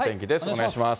お願いします。